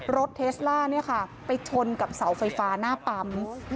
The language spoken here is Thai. รถเทสลาเนี่ยค่ะไปชนกับเสาไฟฟ้าหน้าปั๊ม